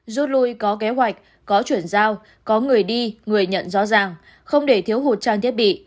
rút lui có kế hoạch có chuyển giao có người đi người nhận rõ ràng không để thiếu hụt trang thiết bị